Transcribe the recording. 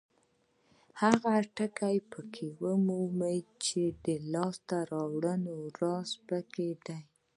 هغه ټکي پکې ومومئ چې د لاسته راوړنو راز پکې دی.